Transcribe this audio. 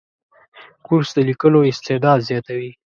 کورس د لیکلو استعداد زیاتوي.